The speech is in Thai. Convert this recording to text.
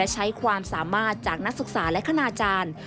ใช้ความสามารถจากนักศึกษาและคณาจารย์